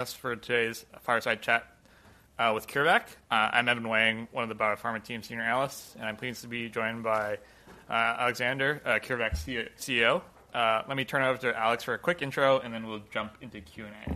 us for today's fireside chat, with CureVac. I'm Evan Wang, one of the biopharma team senior analysts, and I'm pleased to be joined by Alexander, CureVac's CEO. Let me turn it over to Alex for a quick intro, and then we'll jump into Q&A.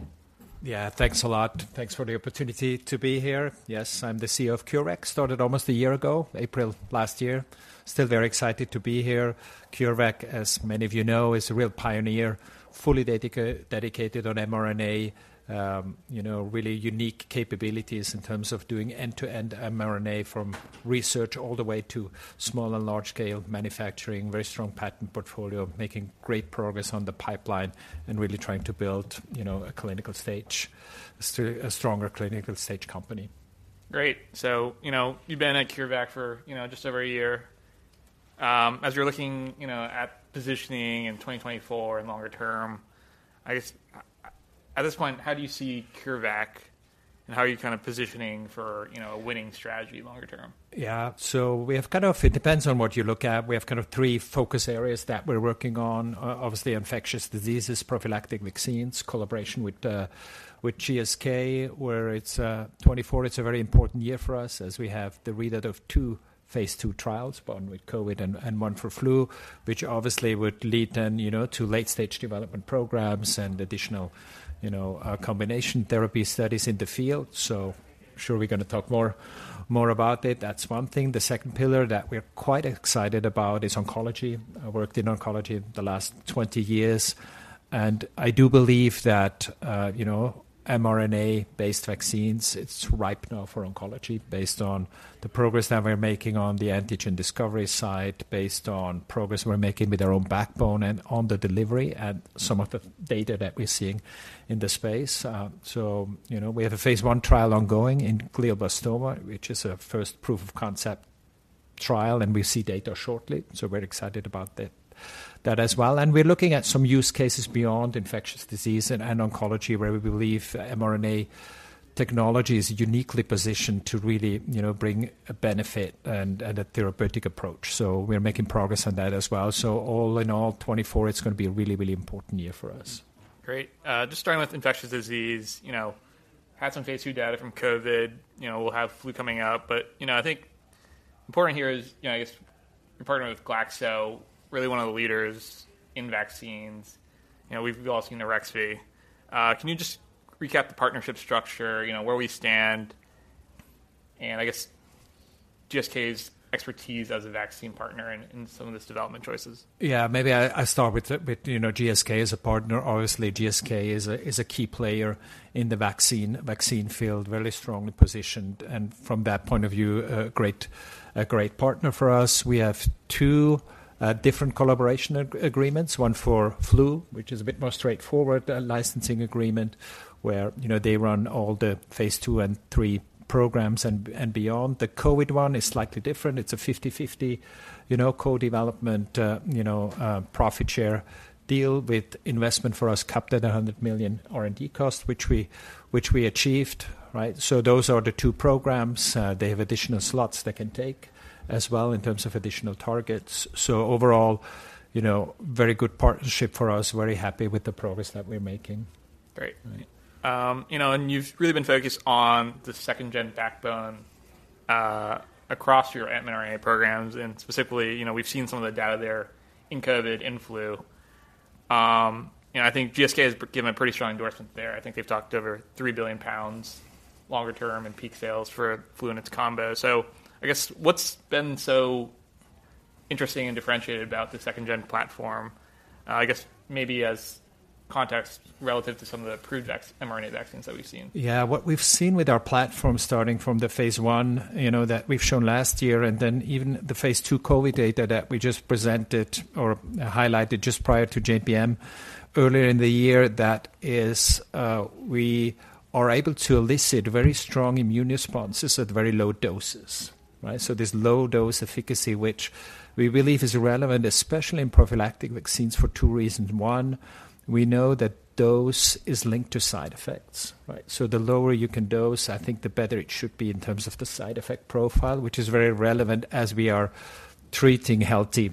Yeah, thanks a lot. Thanks for the opportunity to be here. Yes, I'm the CEO of CureVac. Started almost a year ago, April last year. Still very excited to be here. CureVac, as many of you know, is a real pioneer, fully dedicated on mRNA. You know, really unique capabilities in terms of doing end-to-end mRNA, from research all the way to small and large-scale manufacturing, very strong patent portfolio, making great progress on the pipeline, and really trying to build, you know, a clinical stage, a stronger clinical stage company. Great. So, you know, you've been at CureVac for, you know, just over a year. As you're looking, you know, at positioning in 2024 and longer term, I guess, at this point, how do you see CureVac, and how are you kind of positioning for, you know, a winning strategy longer term? Yeah. So we have kind of... It depends on what you look at. We have kind of three focus areas that we're working on. Obviously, infectious diseases, prophylactic vaccines, collaboration with GSK, where it's 2024, it's a very important year for us as we have the readout of two phase II trials, one with COVID and one for flu, which obviously would lead then, you know, to late-stage development programs and additional, you know, combination therapy studies in the field. So sure, we're gonna talk more about it. That's one thing. The second pillar that we're quite excited about is oncology. I worked in oncology the last 20 years, and I do believe that, you know, mRNA-based vaccines, it's ripe now for oncology, based on the progress that we're making on the antigen discovery side, based on progress we're making with our own backbone and on the delivery and some of the data that we're seeing in the space. So, you know, we have a phase I trial ongoing in glioblastoma, which is a first proof of concept trial, and we see data shortly, so we're excited about that, that as well. And we're looking at some use cases beyond infectious disease and oncology, where we believe mRNA technology is uniquely positioned to really, you know, bring a benefit and a therapeutic approach. So we're making progress on that as well. So all in all, 2024, it's gonna be a really, really important year for us. Great. Just starting with infectious disease, you know, had some phase II data from COVID. You know, we'll have flu coming out, but, you know, I think important here is, you know, I guess you're partnering with Glaxo, really one of the leaders in vaccines. You know, we've all seen Arexvy. Can you just recap the partnership structure, you know, where we stand, and I guess GSK's expertise as a vaccine partner in some of its development choices? Yeah, maybe I start with the with, you know, GSK as a partner. Obviously, GSK is a key player in the vaccine field, very strongly positioned, and from that point of view, a great partner for us. We have two different collaboration agreements, one for flu, which is a bit more straightforward, a licensing agreement, where, you know, they run all the phase II and III programs and beyond. The COVID one is slightly different. It's a 50/50, you know, co-development profit share deal with investment for us, capped at $100 million R&D costs, which we achieved, right? So those are the two programs. They have additional slots they can take as well in terms of additional targets. So overall, you know, very good partnership for us. Very happy with the progress that we're making. Great. You know, and you've really been focused on the second-gen backbone across your mRNA programs, and specifically, you know, we've seen some of the data there in COVID, in flu. You know, I think GSK has given a pretty strong endorsement there. I think they've talked over 3 billion pounds longer term and peak sales for flu in its combo. So I guess what's been so interesting and differentiated about the second-gen platform, I guess maybe as context relative to some of the approved vacs, mRNA vaccines that we've seen? Yeah. What we've seen with our platform, starting from the phase I, you know, that we've shown last year, and then even the phase II COVID data that we just presented or highlighted just prior to JPM earlier in the year, that is, we are able to elicit very strong immune responses at very low doses, right? So this low-dose efficacy, which we believe is relevant, especially in prophylactic vaccines, for two reasons. One, we know that dose is linked to side effects, right? So the lower you can dose, I think the better it should be in terms of the side effect profile, which is very relevant as we are treating healthy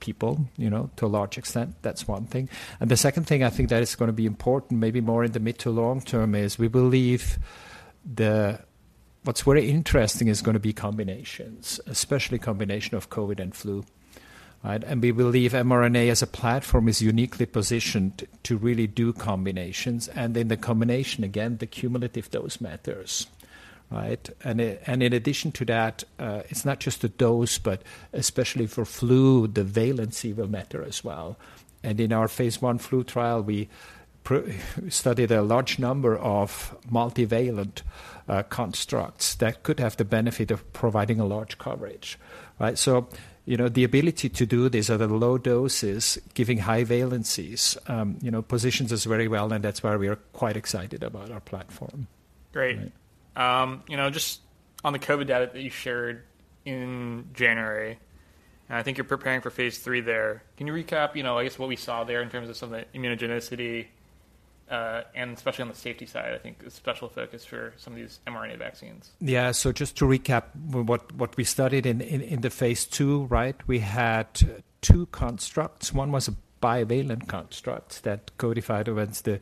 people, you know, to a large extent. That's one thing. And the second thing I think that is gonna be important, maybe more in the mid to long term, is we believe the... What's very interesting is gonna be combinations, especially combination of COVID and flu, right? And we believe mRNA as a platform is uniquely positioned to really do combinations, and in the combination, again, the cumulative dose matters, right? And in addition to that, it's not just the dose, but especially for flu, the valency will matter as well. And in our phase I flu trial, we studied a large number of multivalent constructs that could have the benefit of providing a large coverage, right? So, you know, the ability to do this at a low doses, giving high valencies, you know, positions us very well, and that's why we are quite excited about our platform. Great. You know, just on the COVID data that you shared in January, and I think you're preparing for phase III there. Can you recap, you know, I guess, what we saw there in terms of some of the immunogenicity?... and especially on the safety side, I think a special focus for some of these mRNA vaccines? Yeah. So just to recap what we studied in the phase II, right? We had two constructs. One was a bivalent construct that codified against the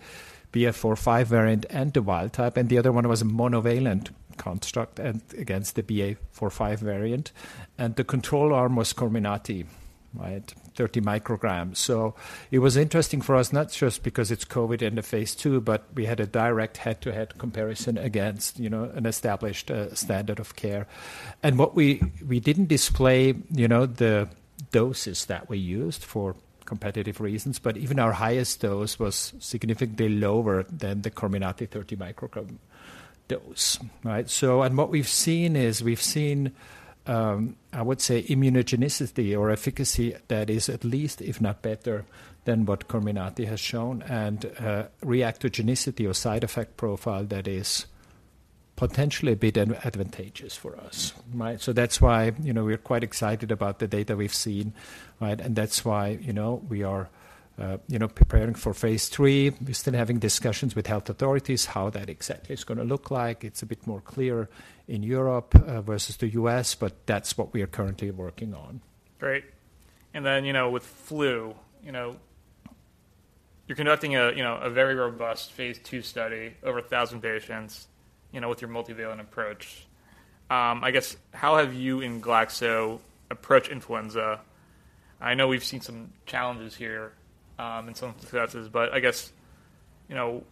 BF.4-5 variant and the wild type, and the other one was a monovalent construct against the BA.4-5 variant. And the control arm was COMIRNATY, right? 30 micrograms. So it was interesting for us, not just because it's COVID in the phase II, but we had a direct head-to-head comparison against, you know, an established standard of care. And what we didn't display, you know, the doses that we used for competitive reasons, but even our highest dose was significantly lower than the COMIRNATY 30 microgram dose, right? So, and what we've seen is, we've seen, I would say immunogenicity or efficacy that is at least, if not better, than what COMIRNATY has shown, and, reactogenicity or side effect profile that is potentially a bit advantageous for us, right? So that's why, you know, we're quite excited about the data we've seen, right? And that's why, you know, we are, you know, preparing for phase III. We're still having discussions with health authorities, how that exactly is going to look like. It's a bit more clear in Europe, versus the U.S., but that's what we are currently working on. Great. Then, you know, with flu, you know, you're conducting a you know, a very robust phase II study, over 1,000 patients, you know, with your multivalent approach. I guess, how have you and Glaxo approached influenza? I know we've seen some challenges here, and some successes, but I guess, you know,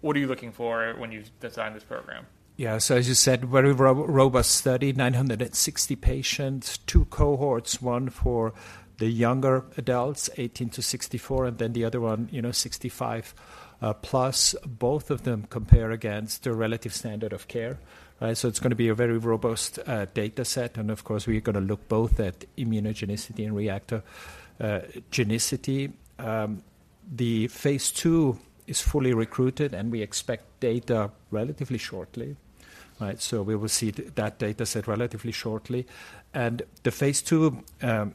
what are you looking for when you design this program? Yeah. So as you said, very robust study, 960 patients, two cohorts, one for the younger adults, 18-64, and then the other one, you know, 65+. Both of them compare against the relative standard of care, right? So it's going to be a very robust data set. And of course, we're going to look both at immunogenicity and reactogenicity. The phase II is fully recruited, and we expect data relatively shortly, right? So we will see that data set relatively shortly. And the phase II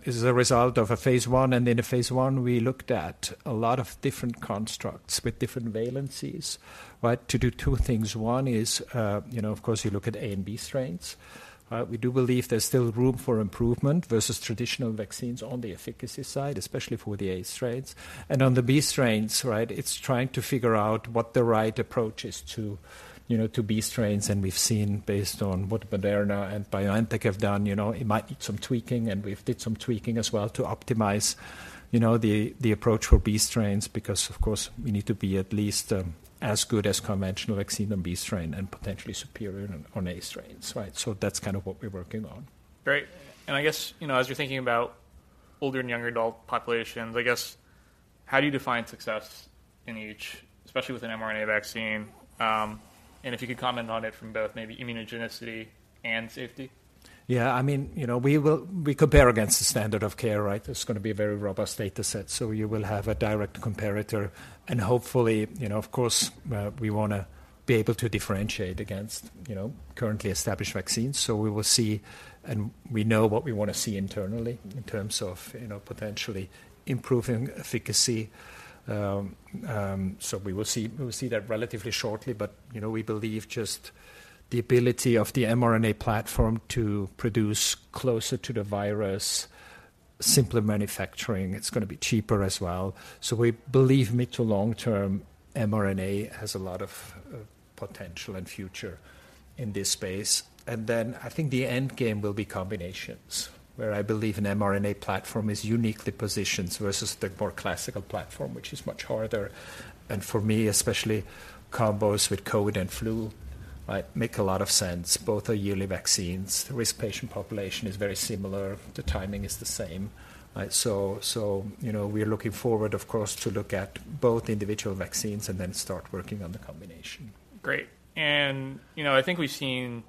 is a result of a phase I, and in a phase I, we looked at a lot of different constructs with different valencies, right? To do two things. One is, you know, of course, you look at A and B strains. We do believe there's still room for improvement versus traditional vaccines on the efficacy side, especially for the A strains. And on the B strains, right, it's trying to figure out what the right approach is to, you know, to B strains, and we've seen based on what Moderna and BioNTech have done, you know, it might need some tweaking, and we've did some tweaking as well to optimize, you know, the, the approach for B strains, because, of course, we need to be at least, as good as conventional vaccine on B strain and potentially superior on, on A strains, right? So that's kind of what we're working on. Great. And I guess, you know, as you're thinking about older and younger adult populations, I guess, how do you define success in each, especially with an mRNA vaccine? And if you could comment on it from both maybe immunogenicity and safety. Yeah, I mean, you know, we will compare against the standard of care, right? It's going to be a very robust data set, so you will have a direct comparator, and hopefully, you know, of course, we want to be able to differentiate against, you know, currently established vaccines. So we will see, and we know what we want to see internally in terms of, you know, potentially improving efficacy. So we will see, we will see that relatively shortly, but, you know, we believe just the ability of the mRNA platform to produce closer to the virus, simpler manufacturing, it's going to be cheaper as well. So we believe mid- to long-term, mRNA has a lot of potential and future in this space. And then I think the end game will be combinations, where I believe an mRNA platform is uniquely positioned versus the more classical platform, which is much harder. And for me, especially, combos with COVID and flu, right, make a lot of sense. Both are yearly vaccines. The risk patient population is very similar. The timing is the same, right? So, you know, we're looking forward, of course, to look at both individual vaccines and then start working on the combination. Great. You know, I think we've seen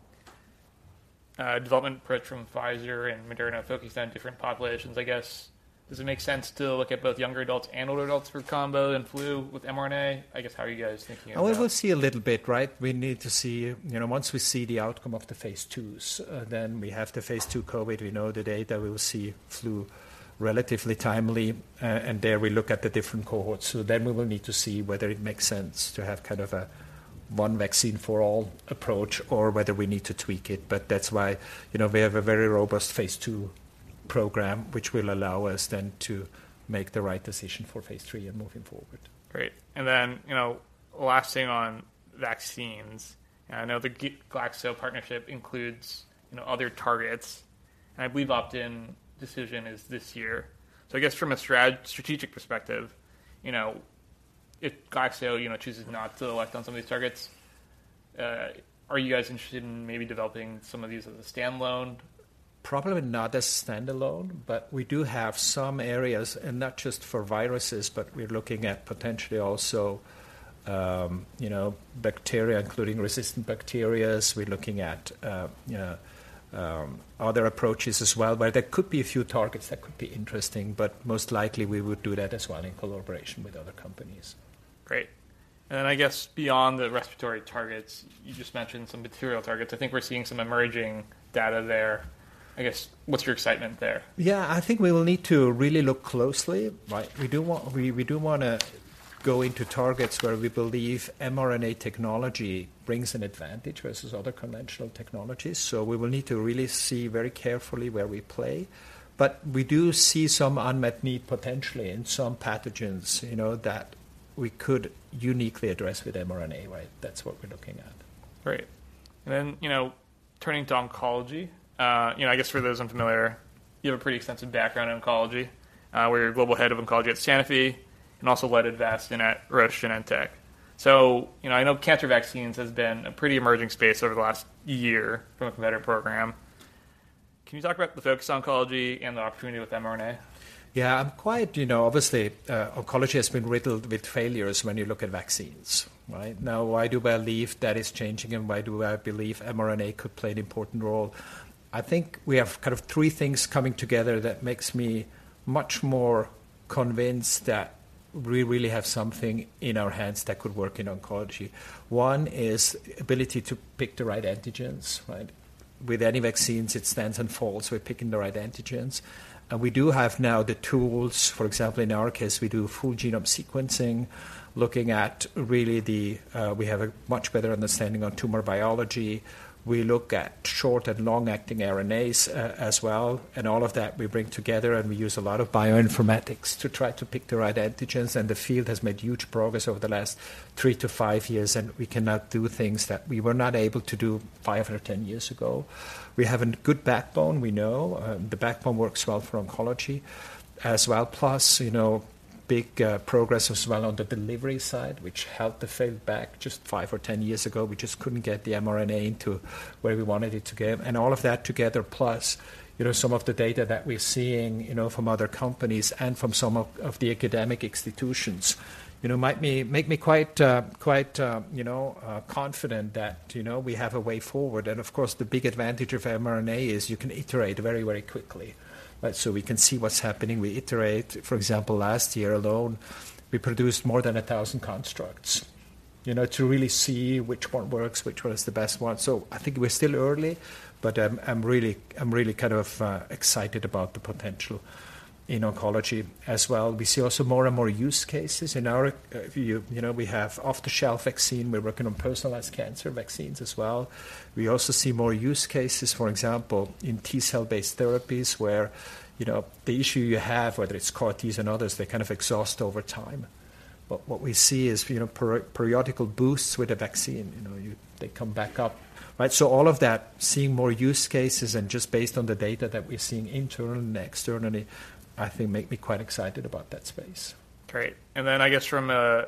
development approach from Pfizer and Moderna focused on different populations. I guess, does it make sense to look at both younger adults and older adults for combo and flu with mRNA? I guess, how are you guys thinking about that? We will see a little bit, right? We need to see... You know, once we see the outcome of the phase IIs, then we have the phase II COVID. We know the data. We will see flu relatively timely, and there we look at the different cohorts. So then we will need to see whether it makes sense to have kind of a one-vaccine-for-all approach or whether we need to tweak it. But that's why, you know, we have a very robust phase II program, which will allow us then to make the right decision for phase III and moving forward. Great. Then, you know, last thing on vaccines. I know the Glaxo partnership includes, you know, other targets, and I believe opt-in decision is this year. I guess from a strategic perspective, you know, if Glaxo, you know, chooses not to elect on some of these targets, are you guys interested in maybe developing some of these as a standalone? Probably not as standalone, but we do have some areas, and not just for viruses, but we're looking at potentially also, you know, bacteria, including resistant bacteria. We're looking at other approaches as well, where there could be a few targets that could be interesting, but most likely we would do that as well in collaboration with other companies. Great. And then I guess beyond the respiratory targets, you just mentioned some material targets. I think we're seeing some emerging data there.... I guess, what's your excitement there? Yeah, I think we will need to really look closely, right? We do want, we do wanna go into targets where we believe mRNA technology brings an advantage versus other conventional technologies. So we will need to really see very carefully where we play. But we do see some unmet need potentially in some pathogens, you know, that we could uniquely address with mRNA, right? That's what we're looking at. Great. And then, you know, turning to oncology, you know, I guess for those unfamiliar, you have a pretty extensive background in oncology, where you're global head of oncology at Sanofi and also led Avastin at Roche Genentech. So, you know, I know cancer vaccines has been a pretty emerging space over the last year from a competitor program. Can you talk about the focus on oncology and the opportunity with mRNA? Yeah, I'm quite, you know, obviously, oncology has been riddled with failures when you look at vaccines. Right? Now, why do I believe that is changing, and why do I believe mRNA could play an important role? I think we have kind of three things coming together that makes me much more convinced that we really have something in our hands that could work in oncology. One is ability to pick the right antigens, right? With any vaccines, it stands and falls with picking the right antigens. And we do have now the tools. For example, in our case, we do full genome sequencing, looking at really the, we have a much better understanding on tumor biology. We look at short and long-acting RNAs, as well, and all of that we bring together, and we use a lot of bioinformatics to try to pick the right antigens, and the field has made huge progress over the last three to five years, and we cannot do things that we were not able to do five or 10 years ago. We have a good backbone, we know, the backbone works well for oncology as well. Plus, you know, big, progress as well on the delivery side, which helped to fail back just five or 10 years ago. We just couldn't get the mRNA into where we wanted it to go. All of that together, plus, you know, some of the data that we're seeing, you know, from other companies and from some of, of the academic institutions, you know, make me quite confident that, you know, we have a way forward. And of course, the big advantage of mRNA is you can iterate very, very quickly, right? So we can see what's happening, we iterate. For example, last year alone, we produced more than 1,000 constructs, you know, to really see which one works, which one is the best one. So I think we're still early, but I'm really excited about the potential in oncology as well. We see also more and more use cases. In our view, you know, we have off-the-shelf vaccine. We're working on personalized cancer vaccines as well. We also see more use cases, for example, in T-cell-based therapies, where, you know, the issue you have, whether it's CAR Ts and others, they kind of exhaust over time. But what we see is, you know, periodic boosts with the vaccine, you know, they come back up. Right, so all of that, seeing more use cases and just based on the data that we're seeing internally and externally, I think, make me quite excited about that space. Great. I guess from an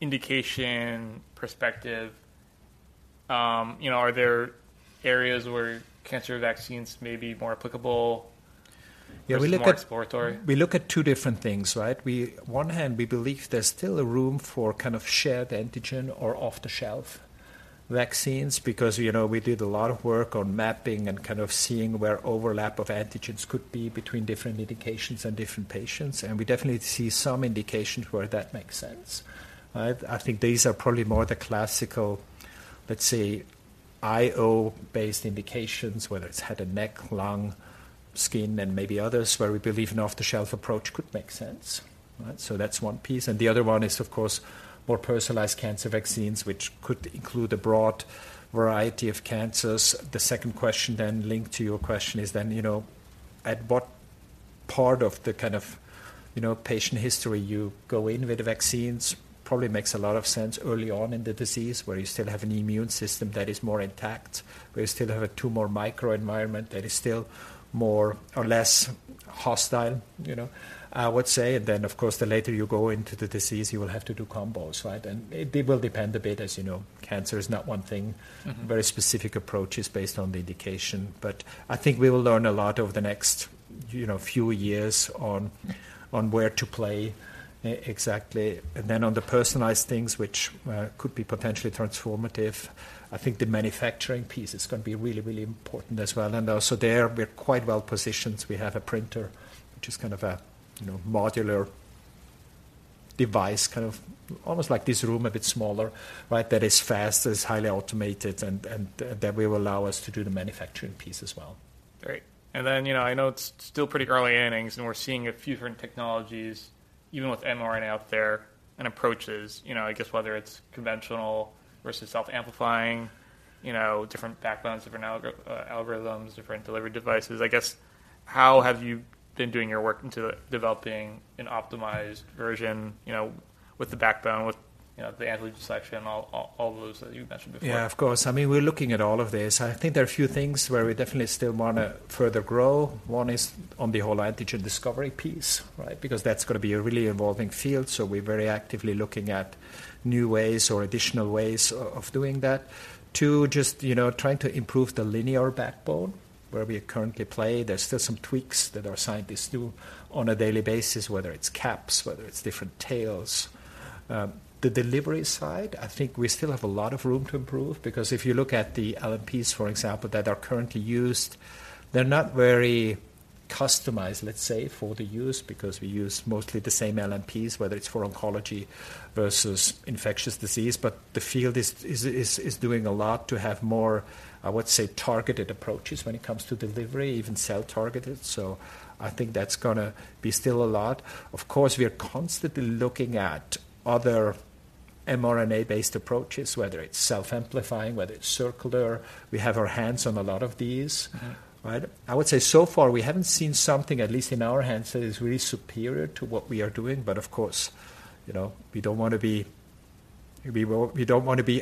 indication perspective, you know, are there areas where cancer vaccines may be more applicable? Yeah, we look at- More exploratory? We look at two different things, right? On one hand, we believe there's still a room for kind of shared antigen or off-the-shelf vaccines, because, you know, we did a lot of work on mapping and kind of seeing where overlap of antigens could be between different indications and different patients, and we definitely see some indications where that makes sense. I think these are probably more the classical, let's say, IO-based indications, whether it's head and neck, lung, skin, and maybe others, where we believe an off-the-shelf approach could make sense. Right? So that's one piece, and the other one is, of course, more personalized cancer vaccines, which could include a broad variety of cancers. The second question then linked to your question is then, you know, at what part of the kind of, you know, patient history you go in with the vaccines? Probably makes a lot of sense early on in the disease, where you still have an immune system that is more intact, where you still have a tumor microenvironment that is still more or less hostile, you know, I would say. And then, of course, the later you go into the disease, you will have to do combos, right? And it will depend a bit, as you know, cancer is not one thing. Mm-hmm. Very specific approach is based on the indication. But I think we will learn a lot over the next, you know, few years on where to play exactly. And then on the personalized things, which could be potentially transformative, I think the manufacturing piece is gonna be really, really important as well. And also there, we're quite well positioned. We have a printer, which is kind of a, you know, modular device, kind of almost like this room, a bit smaller, right, that is fast, that is highly automated, and that will allow us to do the manufacturing piece as well. Great. And then, you know, I know it's still pretty early innings, and we're seeing a few different technologies, even with mRNA out there, and approaches, you know, I guess whether it's conventional versus self-amplifying, you know, different backbones, different algorithms, different delivery devices. I guess, how have you been doing your work into developing an optimized version, you know, with the backbone, with, you know, the antigen section, all, all, all those that you mentioned before? Yeah, of course. I mean, we're looking at all of this. I think there are a few things where we definitely still wanna further grow. One is on the whole antigen discovery piece, right? Because that's gonna be a really evolving field, so we're very actively looking at new ways or additional ways of doing that. Two, just, you know, trying to improve the linear backbone where we currently play. There's still some tweaks that our scientists do on a daily basis, whether it's caps, whether it's different tails. The delivery side, I think we still have a lot of room to improve, because if you look at the LNPs, for example, that are currently used, they're not very customized, let's say, for the use, because we use mostly the same LNPs, whether it's for oncology versus infectious disease. But the field is doing a lot to have more, I would say, targeted approaches when it comes to delivery, even cell-targeted. So I think that's gonna be still a lot. Of course, we are constantly looking at other mRNA-based approaches, whether it's self-amplifying, whether it's circular. We have our hands on a lot of these, right? I would say so far, we haven't seen something, at least in our hands, that is really superior to what we are doing. But of course, you know, we don't want to be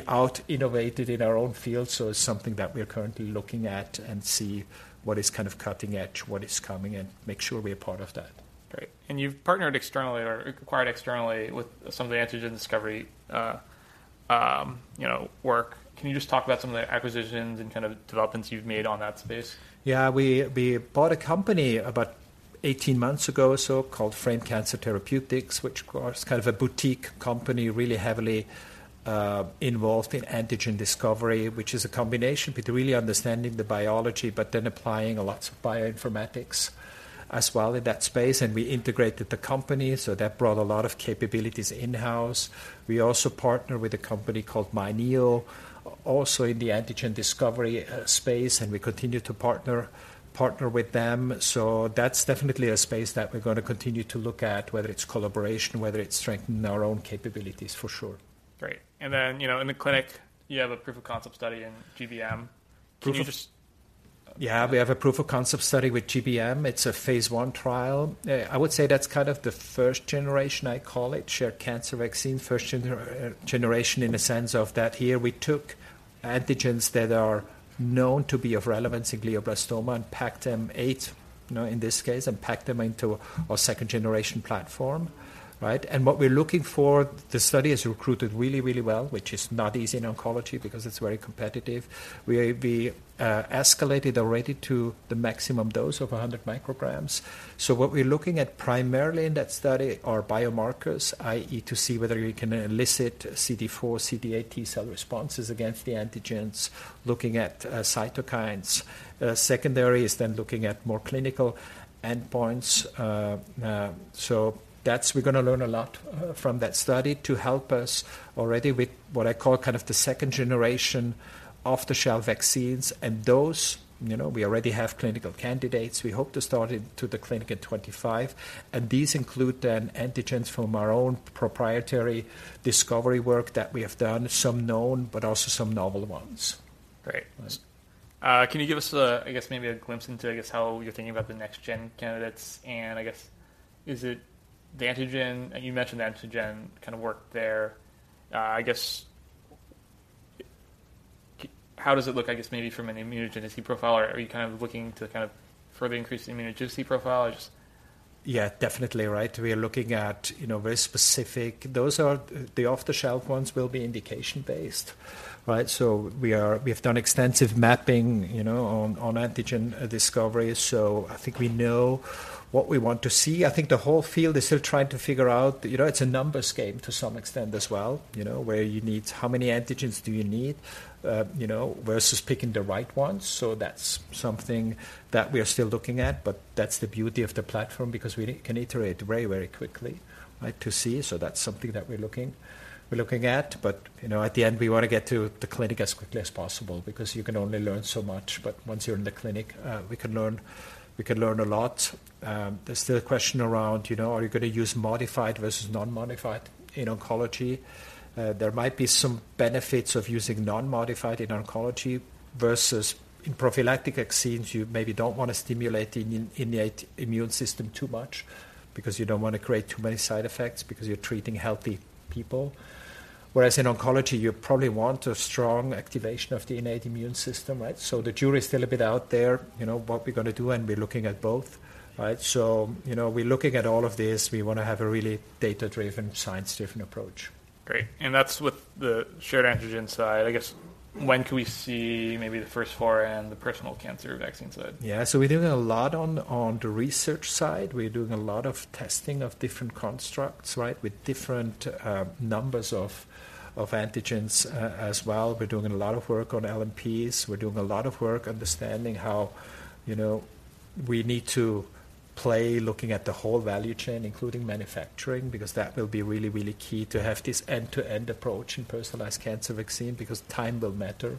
out-innovated in our own field, so it's something that we are currently looking at and see what is kind of cutting edge, what is coming, and make sure we're a part of that. Great. And you've partnered externally or acquired externally with some of the antigen discovery, you know, work. Can you just talk about some of the acquisitions and kind of developments you've made on that space? Yeah. We, we bought a company about 18 months ago or so called Frame Cancer Therapeutics, which of course, is kind of a boutique company, really heavily involved in antigen discovery, which is a combination between really understanding the biology, but then applying a lot of bioinformatics as well in that space, and we integrated the company, so that brought a lot of capabilities in-house. We also partner with a company called myNEO, also in the antigen discovery space, and we continue to partner, partner with them. So that's definitely a space that we're going to continue to look at, whether it's collaboration, whether it's strengthening our own capabilities, for sure. Great. And then, you know, in the clinic, you have a proof-of-concept study in GBM. Can you just- Yeah, we have a proof of concept study with GBM. It's a phase I trial. I would say that's kind of the first generation, I call it, shared cancer vaccine. First generation in the sense of that here we took antigens that are known to be of relevance in glioblastoma and packed them eight, you know, in this case, and packed them into a second-generation platform, right? And what we're looking for... The study has recruited really, really well, which is not easy in oncology because it's very competitive. We escalated already to the maximum dose of 100 micrograms. So what we're looking at primarily in that study are biomarkers, i.e., to see whether we can elicit CD4, CD8 T-cell responses against the antigens, looking at cytokines. Secondary is then looking at more clinical endpoints. So we're gonna learn a lot from that study to help us already with what I call kind of the second generation off-the-shelf vaccines. And those, you know, we already have clinical candidates. We hope to start it to the clinic in 2025, and these include then antigens from our own proprietary discovery work that we have done, some known, but also some novel ones. Great. Can you give us a, I guess, maybe a glimpse into, I guess, how you're thinking about the next gen candidates? And I guess, is it the antigen... You mentioned the antigen kind of work there. I guess, how does it look, I guess, maybe from an immunogenicity profile, or are you kind of looking to kind of further increase the immunogenicity profile or just? Yeah, definitely. Right. We are looking at, you know, very specific... Those are-- the off-the-shelf ones will be indication based, right? So we are-- we have done extensive mapping, you know, on, on antigen discovery, so I think we know what we want to see. I think the whole field is still trying to figure out, you know, it's a numbers game to some extent as well, you know, where you need-- how many antigens do you need, you know, versus picking the right ones. So that's something that we are still looking at, but that's the beauty of the platform because we can iterate very, very quickly, right, to see. So that's something that we're looking, we're looking at. But, you know, at the end, we want to get to the clinic as quickly as possible because you can only learn so much. But once you're in the clinic, we can learn, we can learn a lot. There's still a question around, you know, are you gonna use modified versus non-modified in oncology? There might be some benefits of using non-modified in oncology versus in prophylactic vaccines, you maybe don't want to stimulate the innate immune system too much because you don't want to create too many side effects because you're treating healthy people. Whereas in oncology, you probably want a strong activation of the innate immune system, right? So the jury is still a bit out there, you know, what we're gonna do, and we're looking at both, right? So, you know, we're looking at all of this. We wanna have a really data-driven, science-driven approach. Great. That's with the shared antigen side. I guess, when can we see maybe the first four and the personal cancer vaccine side? Yeah. So we're doing a lot on the research side. We're doing a lot of testing of different constructs, right? With different numbers of antigens as well. We're doing a lot of work on LNPs. We're doing a lot of work understanding how, you know, we need to play, looking at the whole value chain, including manufacturing, because that will be really, really key to have this end-to-end approach in personalized cancer vaccine, because time will matter,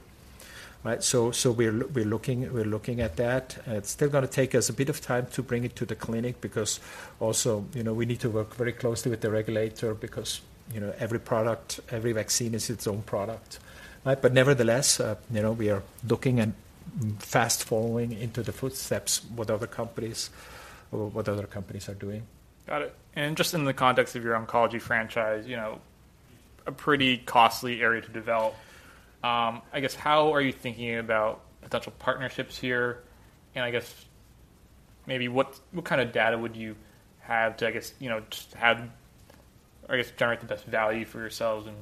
right? So we're looking at that. It's still gonna take us a bit of time to bring it to the clinic because also, you know, we need to work very closely with the regulator because, you know, every product, every vaccine is its own product, right? But nevertheless, you know, we are looking and fast following into the footsteps what other companies, what other companies are doing. Got it. And just in the context of your oncology franchise, you know, a pretty costly area to develop, I guess, how are you thinking about potential partnerships here? And I guess maybe what, what kind of data would you have to, I guess, you know, just have, I guess, generate the best value for yourselves and-...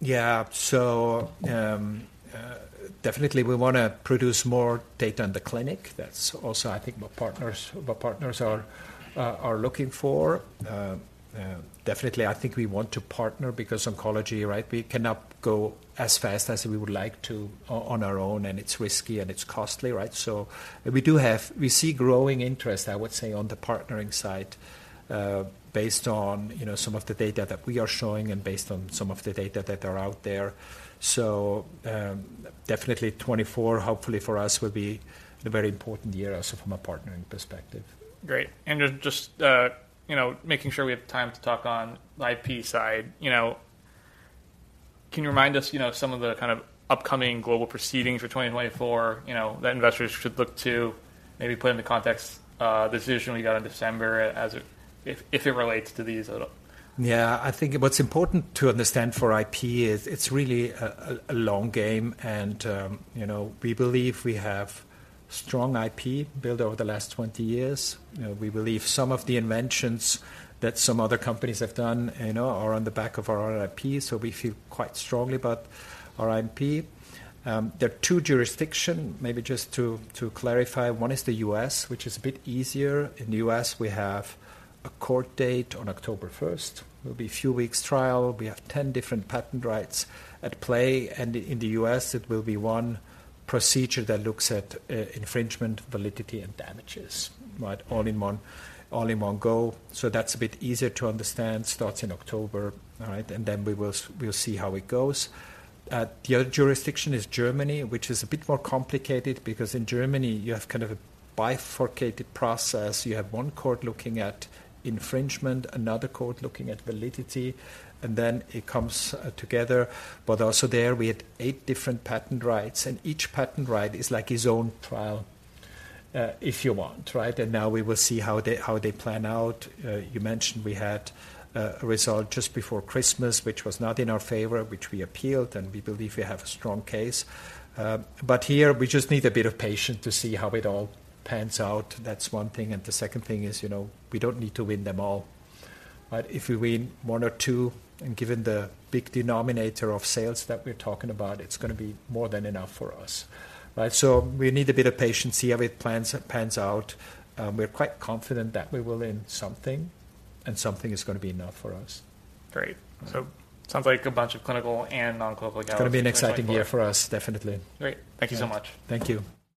Yeah. So, definitely we wanna produce more data in the clinic. That's also I think what partners, what partners are looking for. Definitely, I think we want to partner because oncology, right, we cannot go as fast as we would like to on our own, and it's risky and it's costly, right? So we do have-- we see growing interest, I would say, on the partnering side, based on, you know, some of the data that we are showing and based on some of the data that are out there. So, definitely 2024, hopefully for us, will be a very important year also from a partnering perspective. Great. And just, you know, making sure we have time to talk on IP side, you know, can you remind us, you know, some of the kind of upcoming global proceedings for 2024, you know, that investors should look to maybe put into context, the decision we got in December as if it relates to these at all? Yeah. I think what's important to understand for IP is it's really a long game, and, you know, we believe we have strong IP built over the last 20 years. You know, we believe some of the inventions that some other companies have done, you know, are on the back of our IP, so we feel quite strongly about our IP. There are two jurisdiction, maybe just to clarify. One is the U.S., which is a bit easier. In the U.S., we have a court date on October first. It'll be a few weeks trial. We have 10 different patent rights at play, and in the U.S., it will be one procedure that looks at infringement, validity, and damages, right? All in one, all in one go. So that's a bit easier to understand, starts in October, all right? And then we'll see how it goes. The other jurisdiction is Germany, which is a bit more complicated because in Germany you have kind of a bifurcated process. You have one court looking at infringement, another court looking at validity, and then it comes together. But also there, we had eight different patent rights, and each patent right is like its own trial, if you want, right? And now we will see how they plan out. You mentioned we had a result just before Christmas, which was not in our favor, which we appealed, and we believe we have a strong case. But here we just need a bit of patience to see how it all pans out. That's one thing, and the second thing is, you know, we don't need to win them all, right? If we win one or two, and given the big denominator of sales that we're talking about, it's gonna be more than enough for us, right? We need a bit of patience, see how it pans out. We're quite confident that we will win something, and something is gonna be enough for us. Great. So sounds like a bunch of clinical and non-clinical- It's gonna be an exciting year for us, definitely. Great. Thank you so much. Thank you.